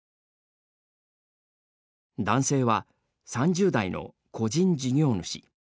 男性は、３０代の個人事業主。